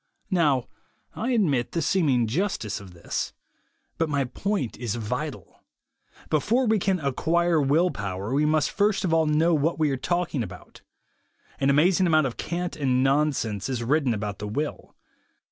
Now I admit the seeming justice of this. But my point is vital. Before we can acquire will power, we must first of all know what we are talk ing about. An amazing amount of cant and non sense is written about the will.